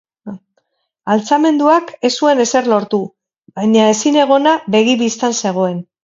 Altxamenduak ez zuen ezer lortu, baina ezinegona begi bistan zegoen.